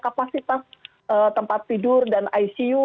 kapasitas tempat tidur dan icu